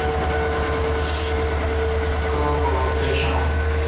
کاب نہ پشان۔